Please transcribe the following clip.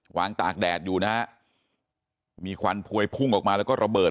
ตากแดดอยู่นะฮะมีควันพวยพุ่งออกมาแล้วก็ระเบิด